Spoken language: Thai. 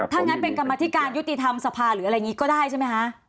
ถ้างั้นเป็นกรรมธิการยุติธรรมสภาหรืออะไรอย่างนี้ก็ได้ใช่ไหมคะ